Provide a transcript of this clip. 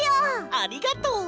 ありがとう！